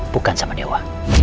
bukan sama dewa